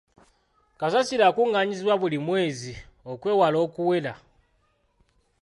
Kasasiro akungaanyizibwa buli mwezi okwewala okuwera.